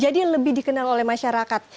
jadi lebih dikenal oleh masyarakat